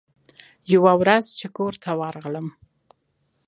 يوه ورځ چې کور ته ورغلم.